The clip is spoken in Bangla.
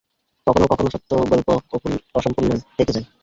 কখনও কখনও সত্য গল্প, অসম্পূর্ণই থেকে যায়।